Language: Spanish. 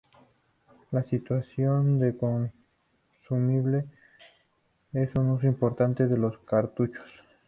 La sustitución de consumibles es un uso importante de los cartuchos.